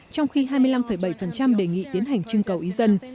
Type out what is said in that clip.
trong khi hai mươi năm bảy đề nghị tiến hành trưng cầu ý dân